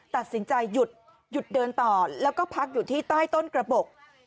ตัดสินใจหยุดเดินต่อแล้วก็พักอยู่ที่ใต้ต้นกระบบ